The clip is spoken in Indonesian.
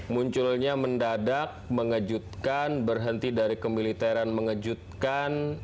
munculnya mendadak mengejutkan berhenti dari kemiliteran mengejutkan